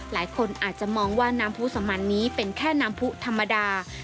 หลายคนอาจจะมองว่าน้ำผู้สมันนี้เป็นแค่น้ำผู้ธรรมดา